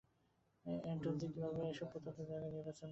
এন্টন যে কিভাবে এসব প্রত্যন্ত জায়গা নির্বাচন করে।